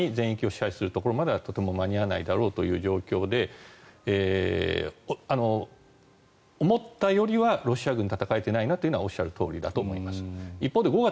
全域を支配するところまでは間に合わないだろうということで思ったよりはロシア軍、戦えていないのはおっしゃるとおりだと思います。